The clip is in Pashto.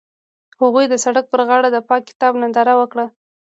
هغوی د سړک پر غاړه د پاک کتاب ننداره وکړه.